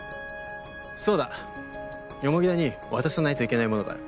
そうだ田に渡さないといけないものがある。